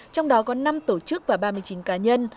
trong đó có năm tổ chức và ba mươi chín cá nhân